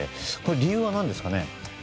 理由は何ですかね。